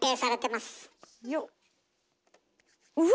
うわ。